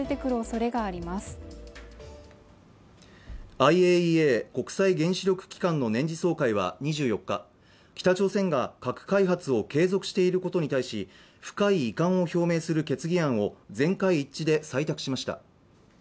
ＩＡＥＡ＝国際原子力機関の年次総会は２４日、北朝鮮が核開発を継続していることに対し、深い遺憾を表明する決議案を全会一致で採択しました。